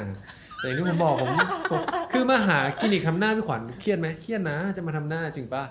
แต่อย่างที่ผมบอกผมคือมาหาคลินิกทำหน้าพี่ขวัญเครียดไหมเครียดนะจะมาทำหน้าจริงป่ะ